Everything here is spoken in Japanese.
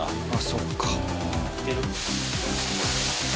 そっか。